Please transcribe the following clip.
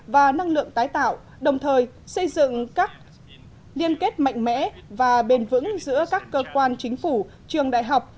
và năng lượng tái tạo đồng thời xây dựng các liên kết mạnh mẽ và bền vững giữa các cơ quan chính phủ trường đại học